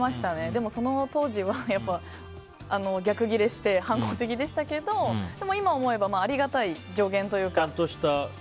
でも、その当時は逆ギレして反抗的でしたけどでも今思えばありがたい助言というか。